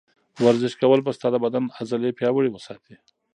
ورزش کول به ستا د بدن عضلې پیاوړې وساتي.